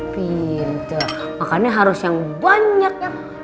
pintar makannya harus yang banyak